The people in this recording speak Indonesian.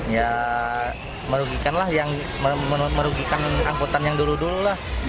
ya merugikan lah yang merugikan angkutan yang dulu dulu lah